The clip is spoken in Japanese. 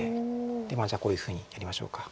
でじゃあこういうふうにやりましょうか。